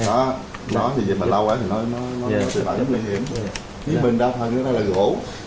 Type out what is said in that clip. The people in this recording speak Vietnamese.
nói như vậy mà lâu ấy thì nó sẽ là nguy hiểm nhưng mình đa phần nó là gỗ